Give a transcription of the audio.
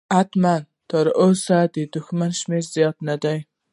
حتمي، تراوسه د دښمن شمېر زیات نه دی.